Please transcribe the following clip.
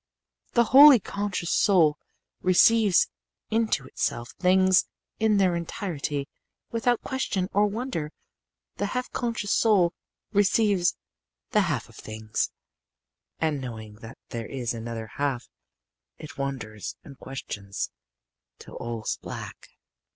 "The wholly conscious soul receives into itself things in their entirety without question or wonder: the half conscious soul receives the half of things, and knowing that there is another half, it wonders and questions till all's black.